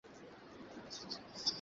ওহ, হ্যাঁ, সে হতে পারে।